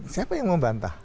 siapa yang mau bantah